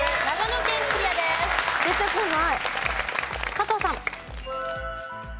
佐藤さん。